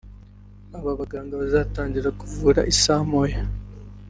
Aba baganga bazatangira kuvura i saa moya